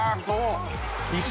そう」